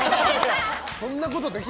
そんなことできる？